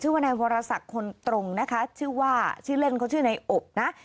ชื่อว่าแนวพรศักดิ์คนตรงนะคะชื่อว่าชื่อเล่นเขาชื่อในอบน่ะ